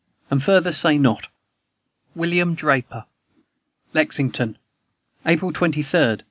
And further say not. "WILLIAM DRAPER." "LEXINGTON, April 23, 1775.